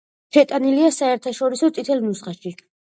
შეტანილია საერთაშორისო წითელ ნუსხაში.